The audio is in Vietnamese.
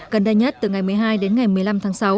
gần đây nhất từ ngày một mươi hai đến ngày một mươi năm tháng sáu